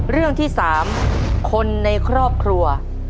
เรื่องที่๓คนในครอบครัว